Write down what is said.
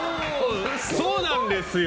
そうなんですよ。